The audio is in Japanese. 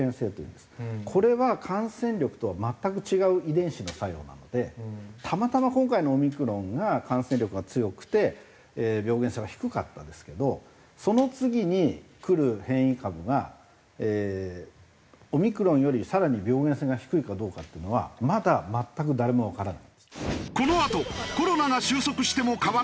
これは感染力とは全く違う遺伝子の作用なのでたまたま今回のオミクロンが感染力が強くて病原性が低かったですけどその次に来る変異株がオミクロンより更に病原性が低いかどうかっていうのはまだ全く誰もわからないです。